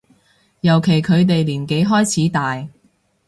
尤其佢哋年紀開始大